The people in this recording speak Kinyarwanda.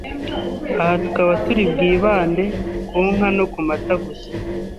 Aha tukaba turi bwibande ku nka no ku mata gusa